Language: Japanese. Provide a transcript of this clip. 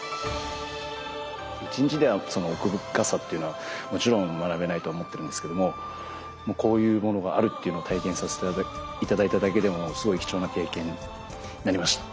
１日ではその奥深さというのはもちろん学べないとは思ってるんですけどもこういうものがあるっていうのを体験させて頂いただけでもすごい貴重な経験になりました。